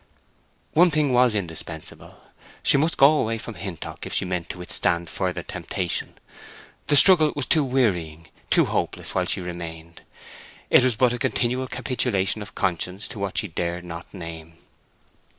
One thing was indispensable; she must go away from Hintock if she meant to withstand further temptation. The struggle was too wearying, too hopeless, while she remained. It was but a continual capitulation of conscience to what she dared not name.